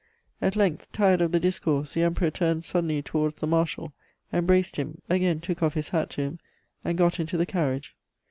At length, tired of the discourse, the Emperor turned suddenly towards the marshal, embraced him, again took off his hat to him, and got into the carriage.